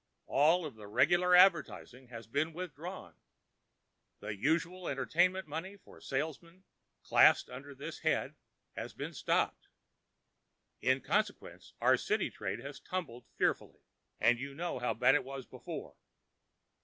"All of the regular advertising has been withdrawn. The usual entertainment money for salesmen classed under this head has been stopped. In consequence, our city trade has tumbled fearfully—and you know how bad it was before.